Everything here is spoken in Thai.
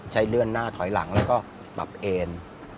เลื่อนหน้าถอยหลังแล้วก็ปรับเอน